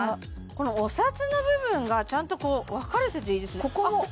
このお札の部分がちゃんと分かれてていいですね